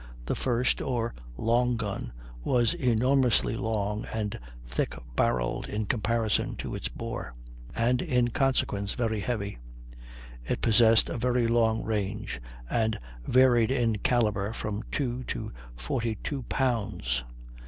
The first, or long gun, was enormously long and thick barrelled in comparison to its bore, and in consequence very heavy; it possessed a very long range, and varied in calibre from two to forty two pounds.